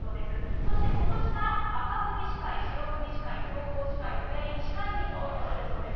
そして、ことしから、紅組司会、白組司会、総合司会を全員司会に統一するそうです。